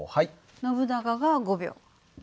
ノブナガが５秒。